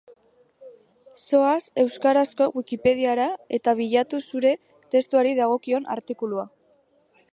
Zoaz euskarazko Wikipediara eta bilatu zure testuari dagokion artikulua.